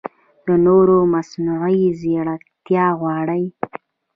نوره مصنعوي ځېرکتیا غواړي